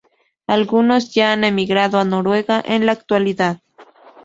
Algunos ya han emigrado a Noruega en la actualidad.